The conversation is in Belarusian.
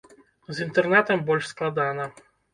З інтэрнатам больш складана.